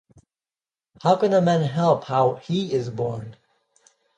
How can a man help how he is born?